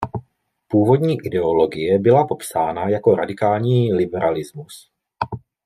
Původní ideologie byla popsána jako „radikální liberalismus“.